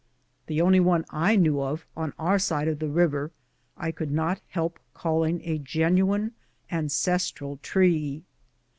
The only one I knew of, on our side of the river, I could not help calling a genuine ancestral tree.